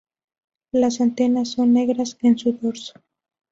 Las antenas son negras en su dorso.